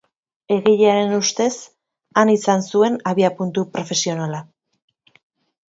Egilearen ustez han izan zuen abiapuntu profesionala.